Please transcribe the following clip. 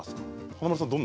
華丸さん。